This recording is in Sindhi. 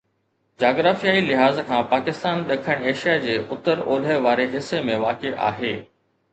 جاگرافيائي لحاظ کان پاڪستان ڏکڻ ايشيا جي اتر اولهه واري حصي ۾ واقع آهي